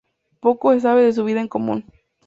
Poco se sabe de su vida en común.